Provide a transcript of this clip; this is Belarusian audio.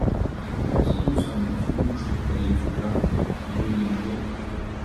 За тую самую суму, што прадаюць у крамах, а тое і ніжэй!